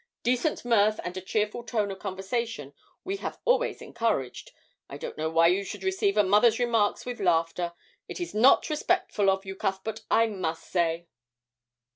Decent mirth and a cheerful tone of conversation we have always encouraged. I don't know why you should receive a mother's remarks with laughter. It is not respectful of you, Cuthbert, I must say!'